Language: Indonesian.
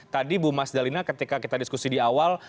tadi bu mas dalina ketika kita diskusi di awal